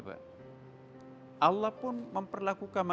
jadi kita harus mencari penyelesaiannya